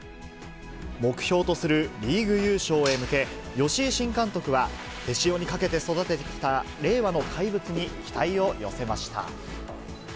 目標とするリーグ優勝へ向け、吉井新監督は、手塩にかけて育ててきた令和の怪物に期待を寄せました。